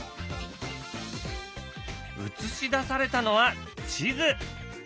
映し出されたのは地図。